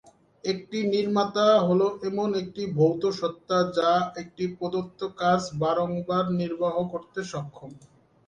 একটি "নির্মাতা" হল এমন একটি ভৌত সত্তা যা একটি প্রদত্ত কাজ বারংবার নির্বাহ করতে সক্ষম।